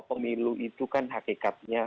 pemilu itu kan hakikatnya